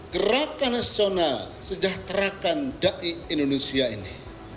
gerakan nasional sejahterakan dai indonesia ini